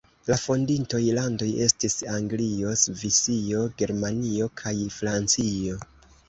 La fondintoj landoj estis Anglio, Svisio, Germanio kaj Francio.